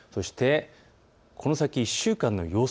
この先１週間の予想